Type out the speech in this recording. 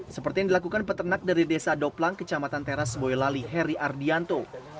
seperti yang dilakukan peternak dari desa doplang kecamatan teras boyolali heri ardianto